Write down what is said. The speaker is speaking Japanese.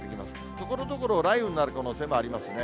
ところどころ雷雨になる可能性もありますね。